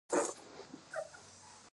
آیا ایرانیان فیروزه نه خوښوي؟